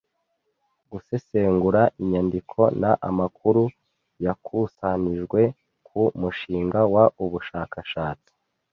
Gusesengura inyandiko n amakuru yakusanijwe ku mushinga w ubushakashatsi